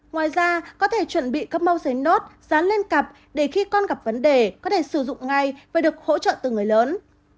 ngoài ra có thể chuẩn bị các mau giấy nốt rán lên cặp để khi con gặp vấn đề có thể sử dụng ngay và được hỗ trợ từ người lớn